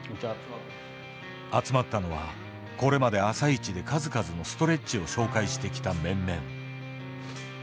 集まったのはこれまで「あさイチ」で数々のストレッチを紹介してきた面々。